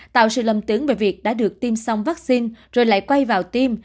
tạo sự lầm tưởng về việc đã được tiêm xong vaccine rồi lại quay vào tiêm